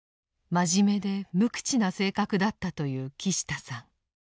真面目で無口な性格だったという木下さん。